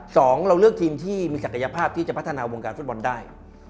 สองเราเลือกทีมที่มีศักยภาพที่จะพัฒนาวงการฟุตบอลได้